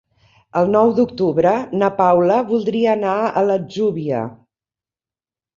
El nou d'octubre na Paula voldria anar a l'Atzúbia.